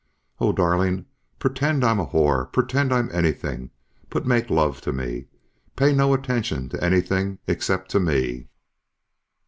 Oh, darling, pretend I'm a whore; pretend I'm anything ... but make love to me. Pay no attention to anything except to me..."